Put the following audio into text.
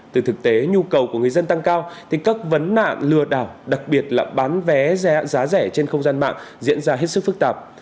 từ thực tế nhu cầu của người dân tăng cao thì các vấn nạn lừa đảo đặc biệt là bán vé giá rẻ trên không gian mạng diễn ra hết sức phức tạp